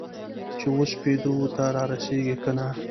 چې وسپېدو ته رارسیږې کنه؟